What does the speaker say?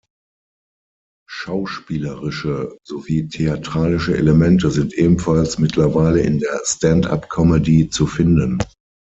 Schauspielerische sowie theatralische Elemente sind ebenfalls mittlerweile in der Stand-up-Comedy zu finden.